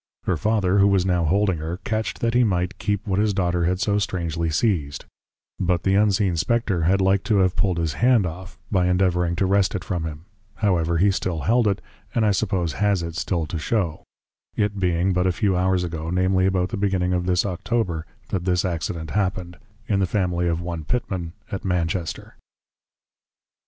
Her Father, who was now holding her, catch'd that he might keep what his Daughter had so strangely siezed, but the unseen Spectre had like to have pull'd his hand off, by endeavouring to wrest it from him; however he still held it, and I suppose has it, still to show; it being but a few hours ago, namely about the beginning of this October, that this Accident happened; in the family of one Pitman, at Manchester.